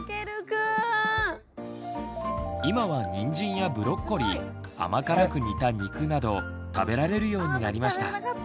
今はにんじんやブロッコリー甘辛く煮た肉など食べられるようになりました。